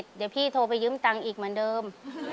เดี๋ยวพี่โทรไปยืมตังค์อีกเหมือนเดิม